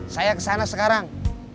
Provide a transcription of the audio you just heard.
saya kesana sekarang